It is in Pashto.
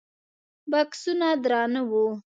بکسونه درانه وو.